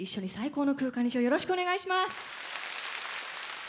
よろしくお願いします！